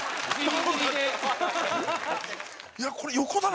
いやこれ横だな。